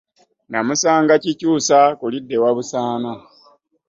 Namusanga Kikyusa ku lidda e Wabusaana.